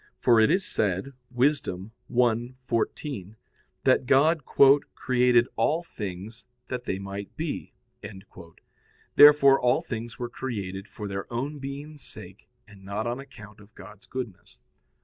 For it is said (Wis. 1:14) that God "created all things that they might be." Therefore all things were created for their own being's sake, and not on account of God's goodness.